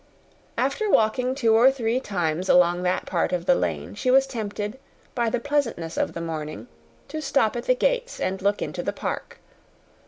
After walking two or three times along that part of the lane, she was tempted, by the pleasantness of the morning, to stop at the gates and look into the park.